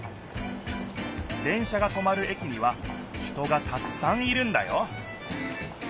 電車がとまる駅には人がたくさんいるんだよ